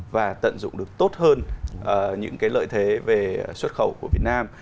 và tận dụng được tốt hơn những lợi thế về xuất khẩu của việt nam